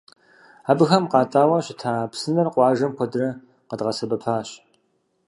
Абыхэм къатӏауэ щыта псынэр къуажэм куэдрэ къагъэсэбэпащ.